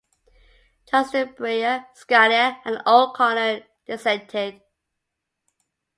Justices Breyer, Scalia, and O'Connor dissented.